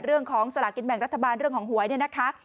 สลากินแบ่งรัฐบาลเรื่องของหวยเนี่ยนะคะ